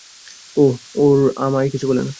আহ, ওরা আমায় কিছু বলে না।